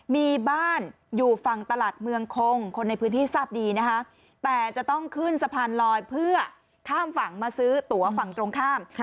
มีบ้านอยู่ฝั่งตลาดเมืองคงคนในพื้นที่ทราบดีนะคะแต่จะต้องขึ้นสะพานลอยเพื่อข้ามฝั่งมาซื้อตัวฝั่งตรงข้าม